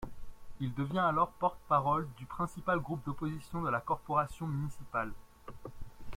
Il devient alors porte-parole du principal groupe d'opposition de la corporation municipale.